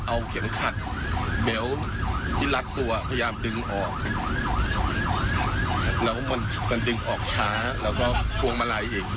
เอาเข็มขัดเบลที่รัดตัวพยายามดึงออกแล้วมันดึงออกช้าแล้วก็พวงมาลัยอีก